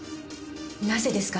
なぜですか？